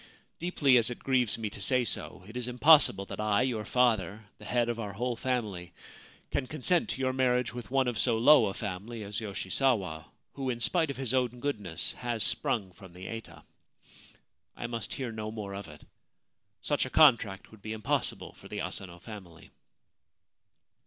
Deeply as it grieves me to say so, it is impossible that I, your father, the head of our whole family, can consent to your marriage with one of so low a family as Yoshisawa, who, in spite of his own goodness, has sprung from the eta. I must hear no more of it. Such a contract would be impossible for the Asano family.'